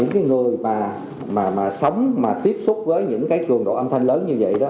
mỗi người mà sống mà tiếp xúc với những trường độ âm thanh lớn như vậy